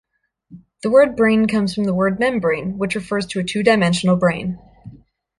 The word brane comes from the word "membrane" which refers to a two-dimensional brane.